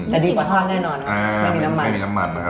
แต่ดีกว่าทอดแน่นอน